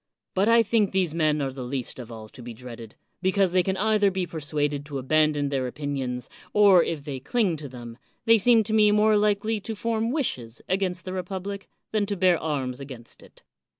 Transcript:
But I think these men are the least of all to be dreaded, because they can either be persuaded to abandon their opinions, or if they cling to them, they seem to me more likely to form wishes against the republic than to bear arms against it.